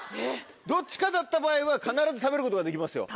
どっちかだった場合は必ず食べることができますよ。